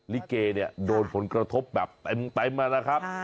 ลิเกเนี่ยโดนผลกระทบแบบเต็มนะครับ